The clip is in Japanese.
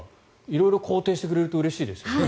色々肯定してくれるとうれしいですね。